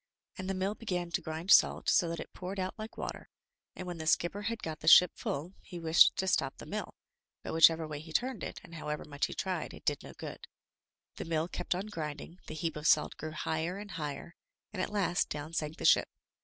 '* And the mill began to grind salt so that it poured out like water, and when the skipper had got the ship full he wished to stop the mill, but whichever way he turned it, and however much he tried, it did no good; the mill kept on grinding, the heap of salt grew higher and higher, and at last down sank the ship.